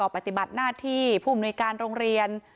ก็ปฏิบัติหน้าที่ผู้บุญการโรงเดียน